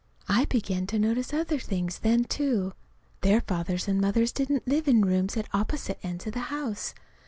I began to notice other things then, too. Their fathers and mothers didn't live in rooms at opposite ends of the house.